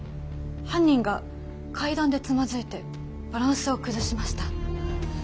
犯人が階段でつまずいてバランスを崩しました。